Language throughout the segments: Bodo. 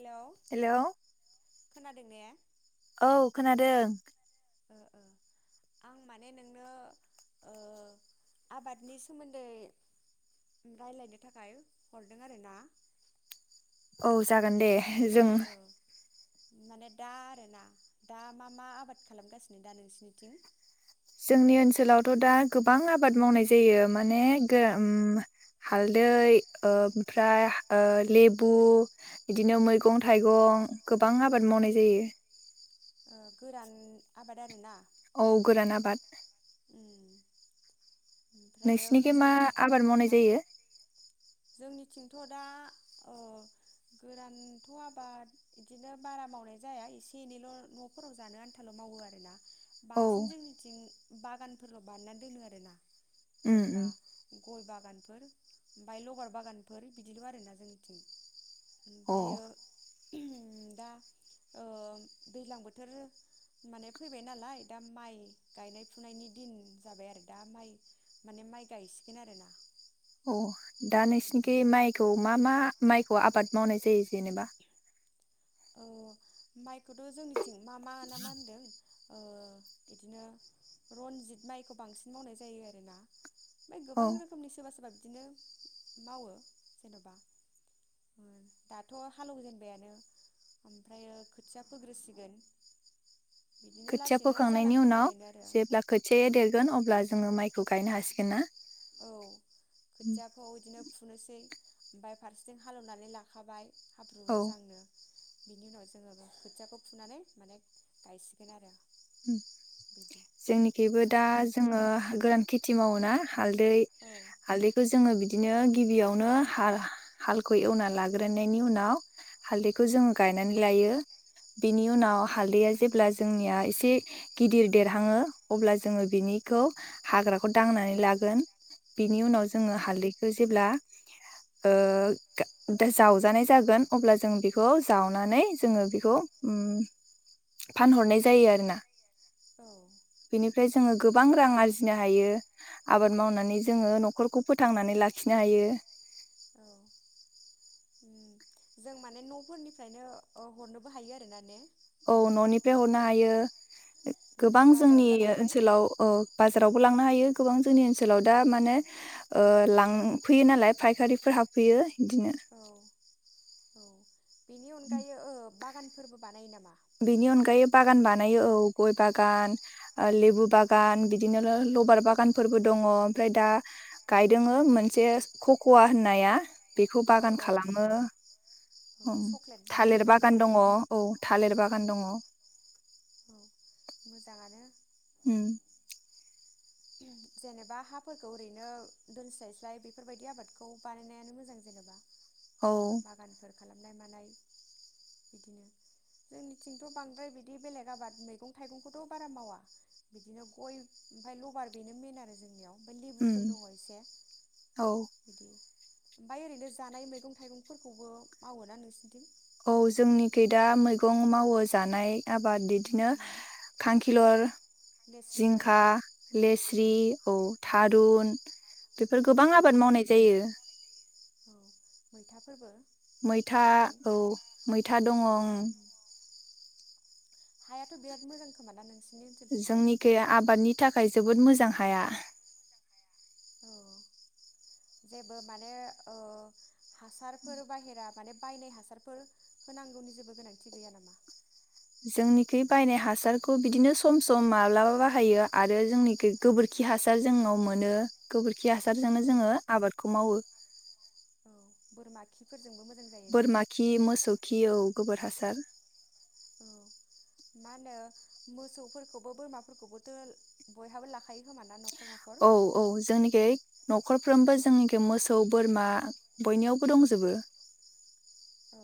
हेलौ हेलौ खोनादों ने औ खोनादों ओ ओ आं माने नोंनो ओ आबादनि सोमोन्दै रायलायनो थाखाय हरदों आरो ना। औ जागोन दे जों माने दा आरोना दा मा मा आबाद खालामगासिनो दा नोंसिनिथिं? जोंनि ओनसोलावथ' दा गोबां आबाद मावनाय जायो माने गो हालदै ओमफ्राय ओ लेबु बिदिनो मैगं थाइगं गोबां आबाद मावनाय जायो। ओ गोरान आबाद आरोना औ गोरान आबाद उम ओमफ्रायो नोंसोरनिखि मा मोजां आबाद मावनाय ना जायो? जोंनिथिंथ' दा ओ गोरानथ' आबाद इदिनो बारा मावनाय जाया एसे एनैल' न'फोराव जानो आन्थाल' मावो आरोना औ बांसिन जोंनिथिं बागानफोरल' बानायना दोनो आरो ना उम जेनेबा उम गय बागान फोर ओमफाय लबार बागानफोर बिदिल' आरोना जोंनिथिं अ ओमफ्रायो [unintelligible] दा ओ दैज्लां बोथोर माने फैबाय नालाय दा माइ गायनाय फुनायनि दिन जाबाय आरो दा माइ माने माइ गायसिगोन आरोना अ दा नोंसिनिखि बिदिल' माइखौ मा मा माइखौ आबाद मावनाय जायो जेनेबा औ माइखौथ' जोंनिथिं मा मा ना मा होनदों ओ इदिनो रनजित माइखौ बांसिन मावनाय जायो आरोना ओइ औ गोबां रोखोमनि सोरबा सोरबा बिदिनो मावो जेन'बा ओ दाथ' हालेवजेनबायानो ओमफ्रायो खोथिया फोग्रोसिगोन बिदिनो खोथिया लासैनो फोखांनायनि उनाव जालांहांबायानो आरो जेब्ला खोथियाया देरगोन अब्ला जोङो माइखौ गायनो हासिगोन ना औ उम खोथियाखौ इदिनो फुनोसै ओमफाय फारसेथिं हालेवनानै लाखाबाय हाब्रु औ मोजांनो बिनि उनाव जोङो खोथियाखौ फुनानै माने गायसिगोन आरो उम बिदि जोंनिखैबो दा ओमफ्रायो जोङो गोरान खेथि औ मावोना हालदै औ हालदैखौ जोङो बिदिनो गिबियावनो हा-हालखौ एवनानै लाग्रोननायनि उनाव हालदैखौ जोङो गायनानै लायो बिनि उनाव हालदैया जेब्ला जोंनिया इस इसे गिदिर देरहाङो अब्ला जोङो बिनिखौ हाग्राखौ दांनानै लागोन बिनि उनाव उम जोङो हालदैखो जेब्ला ओ दा दा जावजानाय जागोन अब्ला जों बिखौ जावनानै जोङो बिखौ उम फानहरनाय जायो आरो ना। औ बिनिफ्राय जोङो बां रां आरजिनो हायो, आबाद मावनानै जोङो न'खरखौ फोथांनानै लाखिनो हायो। औ जों माने न'फोरनिफ्रायनो ओ हरनोबो हायो आरोना ने औ जेनेबा न'निफ्राय हरनो हायो उम गोबां जोंनि बाजारावबो लांनो हाबाय ओनसोलाव ओ बाजारावबो लांनो हायो गोबां जोंनि ओनसोलाव दा माने ओ लांफैयो नालाय फायखारिफोर हाबफैयो। बिदिनो औ औ बिनि अनगायो ओ बागान फोरबो बानायो नामा बिनि अनगायै बागान बानायो औ गय बागान ओ लेबु बागान बिदिनो लबार बागानफोरबो दङ ओमफ्राय दा गायदोङो मोनसे खक'वा होननाया बिखौ औ बागान औ खालामो औ उम चक्लेट थालिर बानायोना बागान बेजों दङ औ थालेर बाग अ औ मोजाङानो उम जेनेबा हाफोरखौ ओरैनो दोनस्लाय स्लाय बेफोरबायदि आबादखौ बानायनायानो मोजां जेनेबा औ बागानफोर खालामनाय मानाय बिदिनो जोंनिथिंथ' बांद्राय बिदि बेले आबाद मैगं थाइगंखौथ' बारा मावा बिदिनो गय अभार बेनो मेन आरो जोंनियाव ओमफाय उम लेबुफोर दङ एसे औ बिदि। ओमफाय ओरैनो जानाय मैगं थाइगंफोरखौबो मावोना नोंसिनिथिं? औ जोंनिखै दा मैगं मावो जानाय आब बा दिदिनो उम खांखिलर लेस्रिफोर जिंखा उम लेस्रि औ थारुन बेफोर गोबां औ आबाद मावनाय जायो औ मैथाफोरबो मैथा थाबाय औ मैथा दङ उम हायाथ' बिराद मोजां खोमा ना नोंसि जोंनिखै आबादनि थाखाय जोबोद मोज जां हाया। औ जेबो माने ओ हासारफोर बाहेरा माने बायनाय हासारफोर होनांगौनि जेबो गोनांथि गैया नामा? जोंनिखै बायनाय हासारखौ बिदिनो सम सम माब्लाबा बाहायो आरो जोंनिखै गोबोरखि हासार जोंनाव मोनो गोबोर खि हासारजोंनो औ जोङो आबादखौ मावो बोरमा खिफोर बोरमा खि मोसौ खि औ गोबोर हास सार औ मा होनो मोसौफोरखौबो बोरमाफोरखौबोथो बयहाबो लाखायो खोमा ना न औ औ जोंनिखि नखरफ्रोमबो जोंनिखि मोसौ बोरमा बयनियावबो दंजोबो। औ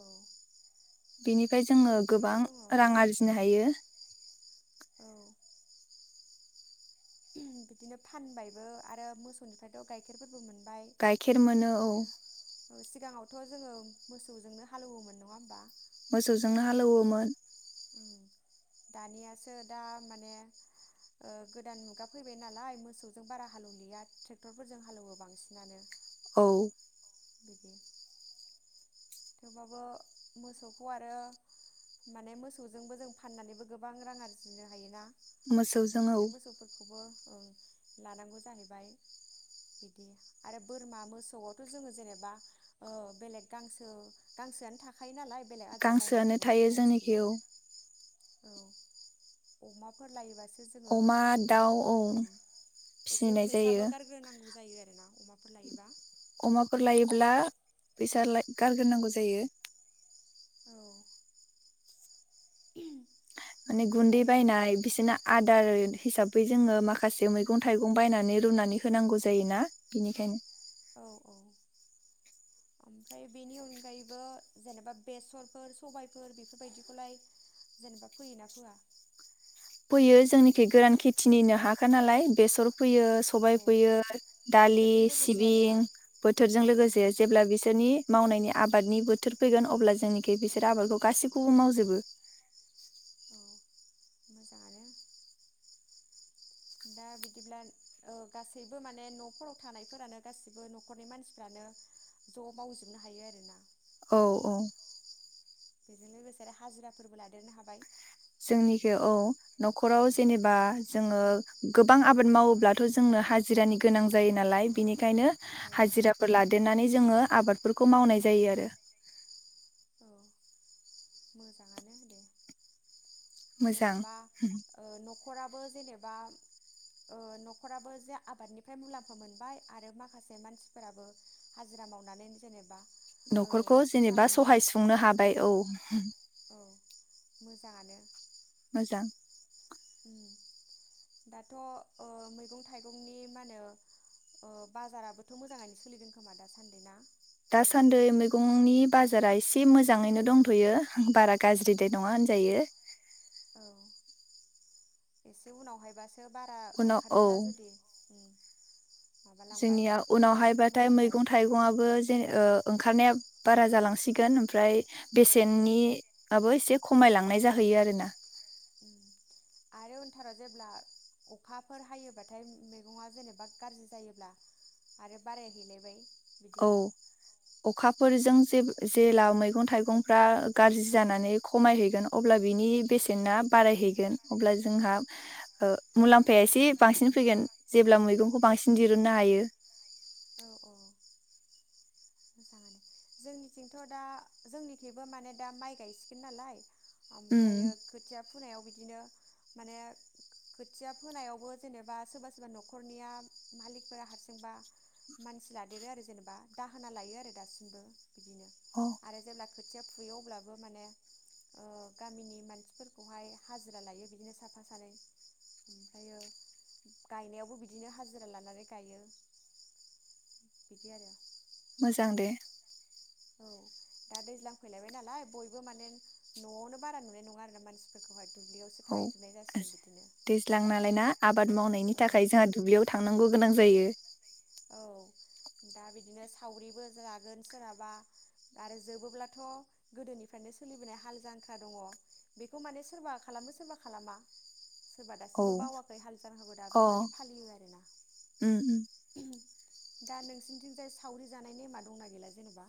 बिनिफ्राय जोङो गोबां जोंनिथिंबो दङ रां ओं आरजिनो हायो। औ बिदिनो फानबायबो आरो मोसौनिफ्रायथ गाइखेरफोरबो मोन गाइखेर मोनो औ सिगाङावथ जोङो मोसौजोंनो हालौवोमोन नङा होमबा मोसौजोंनो हालौवोमोन। दानियासो दा माने ओ गोदान मुगा फैबाय नालाय मोसौजों बारा हालेवलिया ट्रेक्टरफोरजों हालेवो बांसिनानो औ बिदि थेवबाबो मोसौखौ आरो माने मोसौजोंबो जों फाननानैबो गोबां रां आरजिनो हायो ना। मोसौजों औ बेखायनो मोसौफोरखौबो ओं लानांगौ जाहैबाय बिदि आरो बोरमा मोसौआवथ' जोङो जेनेबा ओ बेलेग गांसो गांसोआनो थाखायो नालाय बेलेग आदार गांसोआनो बायनांगौनि थायो गोनांथि जोंनिखि गैया औ औ अमाफोर लायोबासो जोङो अमा दाउ औ एसे फिसिनाय जायो फैसाबो गारग्रोनांगौ जायो आरो ना। अमाफोर लायोबा अमाफोर लायोब्ला फैसा लाय गारग्रोनांगौ जायो। औ माने गुन्दै ओमफ्रायो बायनाय बिसोरना आदार हिसाबै जोङो माखासे मैगं-थाइगं बायनानै रुनानै होनांगौ जायोना। बेनिखायनो औ औ ओमफ्राय बेनि अनगायैबो जेनेबा बेसरफोर सबायफोर बेफोरबायदिखौलाय जेनेबा फोयोना फोया? फैयो जोंनिखि गोरान खेथिनिनो हा खानालाय बेसर फैयो औ सबाय फोयो दालि बोथोरजों लोगोसे आरोना सिबिं उम बोथोरजों लोगोसे जेब्ला बिसोरनि मावनायनि आबादनि बोथोर फैगोन अब्ला जोंनिखि बिसोर आबादखौ गासिखौबो मावजोबो। औ मोजाङानो दा बिदिब्ला अ गासैबो माने नफोराव थानायफोरानो गासैबो नखरनि मानसिफ्रानो ज मावजोबनो हायो आरो ना औ औ बेजों लोगोसे आरो हाजिराफोरबो लादेरनो हाबाय। जोंनिखै औ नखराव जेनेबा जोङो गोबां आबाद मावोब्लाथ जोंनो हाजिरानि गोनां जायो नालाय बिनि खायनो औ हाजिराफोर लादेरनानै जोङो आबादफोर खौ मावनाय जायो आरो। औ मोजाङानो होनदो मोजां जेनेबा ओ‌ न'खरा बो जेनेबा न'खराबो जे आबादनिफ्राय मुलाम्फा मोनबाय आरो माखासे मानसिफोराबो हाजिरा मावनानै जेनेबा ओ न'खरखौ फैसा जेनेबा मोनबाय सहाय सुंनो हाबाय औ औ मोजाङानो मोजां उम दाथ' ओ‌ मैगं थाइगंनि मा होनो ओ बाजाराबोथ' मोजाङैनो सोलिदों खोमा दासान्दि ना? दासान्दि मैगंनि बाजारा एसे मोजाङैनो दंथ'यो बारा गाज्रिदाय नङा होनजायो औ एसे उनावहाय बास बारा उनाव औ ओंखारोब्ला जुदि माबालांबाय जोंनिया ओ उनावहायबाथाय खमायलांबाय मैगं थाइगंआबो जेन ओंखारनाया बारा जालांसिगोन ओमफ्राय औ बेसेननि आबो एसे खमायलांनाय जाहैयो आरोना आरो उनथाराव जेब्ला अखाफोर हायोबाथाय मैगङा जेनेबा गाज्रि जायोब्ला आरो बारायहैलायबाय बिदि औ अखाफोरजों जे‌ जेला मैगं थाइगंफ्रा गाज्रि जानानै खमायहैगोन अब्ला बिनि बेसेना बारायहैगोन अब्ला जोंहा ओ मुलाम्फा उफाया एसे बांसिन फैगोन जेब्ला मैगंखौ बांसिन दिरूननो हायो औ औ मोजाङानो जोंनिथिंथ' दा जोंनिथिंबो माने दा माइ गायसिगोन नालाय उम ओमफ्रायो खोथिया फु फोनायाव बिदिनो माने खोथिया फोनायावबो जेनेबा सोरबा सोरबा न'खरनिया मालिकफोरा हारसिंबा मानसि लादेरो आरो जेनेबा दाहोना लायो आरो दासिमबो बिदिनो अ आरो जेब्ला खोथिया फुयो अब्लाबो माने गामिनि मानसिफोरखौहाय हाजिरा लायो बिदिनो साफा सानै ओमफ्रायो गायनायावबो बिदिनो हाजिरा लानानै गायो बिदि आरो मोजां दे औ दा दैज्लां फैलायबाय नालाय बयबो माने न'आवनो बारा नुनाय नङा आरोना मानसिफोरखौहाय दुब्लियावसो औ थाहैजोबनाय जासिगोन बिदिनो दैज्लां नालाय ना आबाद मावनायनि थाखाय जोंहा दुब्लियाव थांनांगौ गोनां जायो औ दा बिदिनो सावरिबो जागोन सोरहाबा आरो जोबोब्लाथ' गोदोनिफ्रायनो सोलिबोनाय हाल जांख्रा दङ बेखौ माने सोरबा खालामो सोरबा खालामा। सोरबा औ दासिमबो बावाखै हाल जाल फोरखौ दासिमबो अ माने फालियो आरो ना उम उम दा नोंसिनिथिंजाय सावरि जानाय नेमा दंना गैला जेनेबा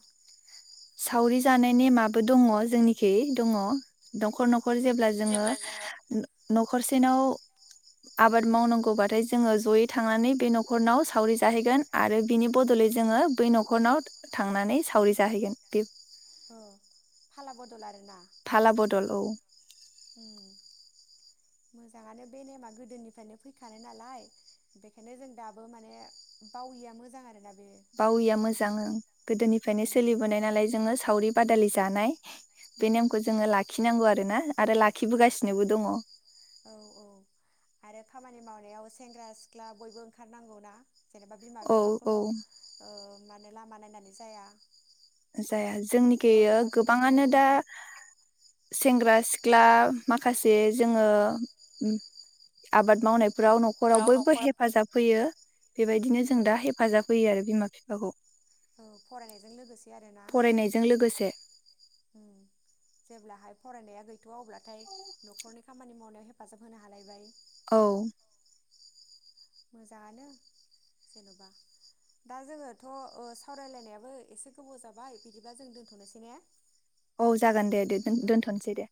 सावरि जानाय नेमाबो दङ जोंनिखि दङ नखर नखर न'खर जेब्ला जोङो न'खरसेनाव आबाद मावनांगौबाथाय जोङो जयै थांनानै बे न'खरनाव सावरि जाहैगोन आरो बिनि बदलै जोङो बै न'खरनाव थांनानै सावरि जाहैगोन। [unintelligible] अ फाला बदल आरोना फालाबदल औ उम मोजाङानो बे नेमा गोदोनिफ्रायनो फैखानाय नालाय बेखायनो जों दाबो माने बावैया मोजां आरोना बे बाविया नेमखौहाय मोजां ओं गोदोनिफ्रायनो औ सोलिबोनाय नालाय जोङो सावरि बादालि जानाय बे नेमखौ जोङो लाखिनांगौ आरो ना आरो लाखिबोगासिनोबो दङ। औ औ आरो खामानि मावनायाव सेंग्रा सिख्ला बयबो ओंखारनांगौ ना जेनेबा बिमा औ औ बिफाखौल' ओ माने लामा नायनानै जाया। जाया जोंनिखै न'खराव ओ हेफाजाब होनांगौ गोबाङानो दा सेंग्रा सिख्ला माखासे जोङो आबाद मावनाय फ्राव न'खराव बयबो हेफाजाब होयो। बेबायदिनो ओ जों दा हेफाजाब होयो आरो बिमा फिफाखौ औ फरायनायजों लोगोसे आरोना फरायनायजों लोगोसे उम जेब्लाहाय फरायनाया गैथ'आ अब्लाथाय न'खरनि खामानि मावनायाव हेफाजाब होनो हालायबाय औ मोजाङानो जेन'बा दा जोङोथ'ओ सावरायलायनायाबो एसे गोबाव जाबाय बिदिबा जों दोन्थ'नोसै ने? औ जागोन दे दे दोनथ'नसै दे।